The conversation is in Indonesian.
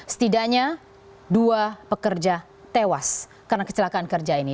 setidaknya dua pekerja tewas karena kecelakaan kerja ini